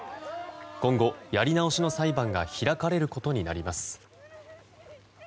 今後、やり直しの裁判が開かれることになります。